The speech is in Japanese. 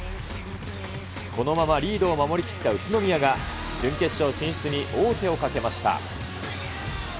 このままリードを守りきった宇都宮が、準決勝進出に王手をかけました。